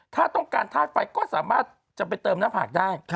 ถ้าต้องการธาตุไฟก็สามารถจะไปเติมหน้าผากได้